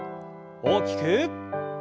大きく。